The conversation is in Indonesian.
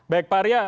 baik pak arya